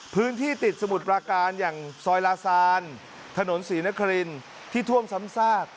พื้นที่ติดสมุทรปราการอย่างซอยลาซานถนนศรีนครินที่ท่วมซ้ำซาก